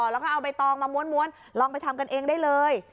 แล้วก็เอาใบตองมาม้วนลองไปทำกันเองได้เลย